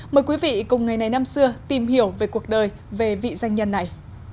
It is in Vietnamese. mời quý vị cùng ngày này năm xưa tìm hiểu về cuộc đời về vị danh nhân này